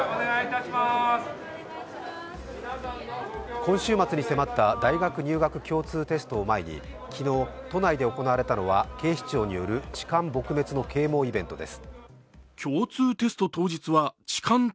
今週末に迫った大学入学共通テストを前に昨日、都内で行われたのは警視庁による痴漢撲滅の啓もうイベントです